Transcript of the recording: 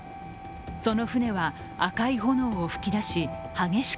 その船は赤い炎を噴き出し